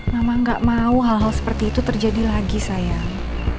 mama gak mau hal hal seperti itu terjadi lagi sayang